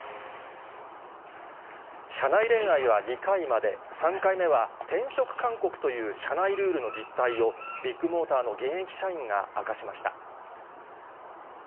社内恋愛は２回まで、３回目は転職勧告という社内ルールの実態を、ビッグモーターの現役社員が明かしました。